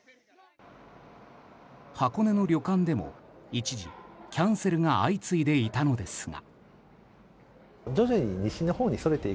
箱根の旅館でも一時キャンセルが相次いでいたのですが。